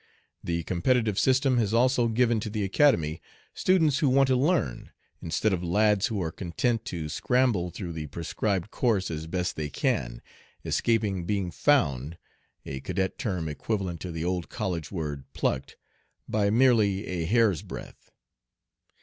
The competitive system has also given to the Academy students who want to learn, instead of lads who are content to scramble through the prescribed course as best they can, escaping being "found" (a cadet term equivalent to the old college word 'plucked') by merely a hair's breadth."